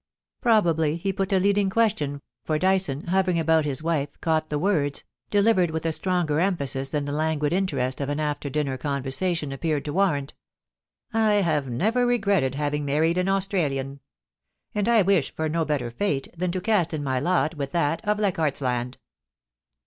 Probably he put a leading question, for Dyson, hovering about his wife, caught the words, delivered with a stronger emphasis than the languid interest of an after dinner conversation ap peared to warrant :' I have never regretted having married an Australian ; and I wish for no better fate than to cast in my lot with that of Leichardt's Land.'